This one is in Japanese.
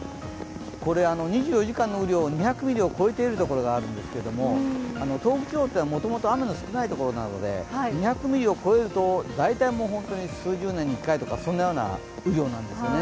２４時間の雨量は２００ミリを超えている所があるんですけど東北地方は、もともと雨の少ないところなので、２００ミリを超えると数十年に１回というようなそんなような雨量なんですよね。